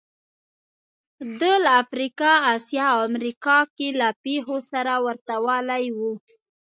دا له افریقا، اسیا او امریکا کې له پېښو سره ورته والی و